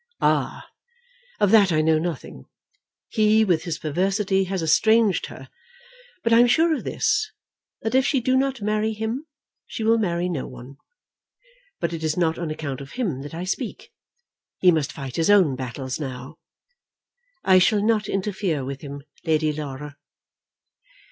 "Ah; of that I know nothing. He, with his perversity, has estranged her. But I am sure of this, that if she do not marry him, she will marry no one. But it is not on account of him that I speak. He must fight his own battles now." "I shall not interfere with him, Lady Laura."